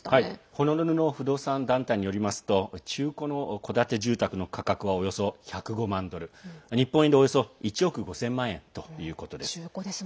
ホノルルの不動産団体によりますと中古の戸建て住宅の価格はおよそ１０５万ドル日本円でおよそ１億５０００万円ということです。